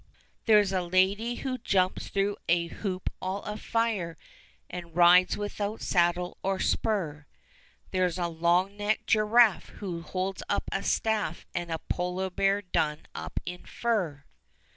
THE CHILDREN'S WONDER BOOK. There's a lady who jumps through a hoop, all afire, And rides without sad dle or spur ; There's a long necked giraffe, who holds up a staff. And a polar hear done up in fur.